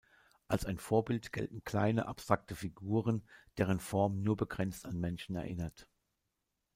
Als ein Vorbild gelten kleine, abstrakte Figuren, deren Form nur begrenzt an Menschen erinnert.